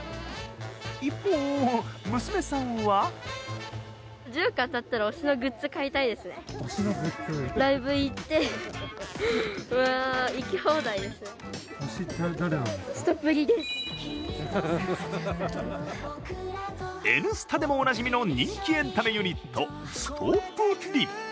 一方、娘さんは「Ｎスタ」でもおなじみの人気エンタメユニット、すとぷり。